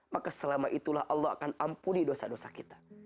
maka selama itulah allah akan ampuni dosa dosa kita